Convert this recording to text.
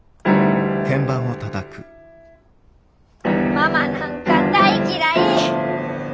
ママなんか大嫌い！